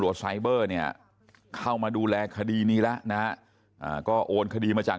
ไซเบอร์เนี่ยเข้ามาดูแลคดีนี้แล้วนะก็โอนคดีมาจาก